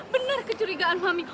bener kecurigaan mami